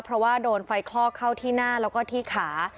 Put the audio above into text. เพราะว่าโดนไฟคลอกเข้าที่หน้าแล้วก็ที่ขา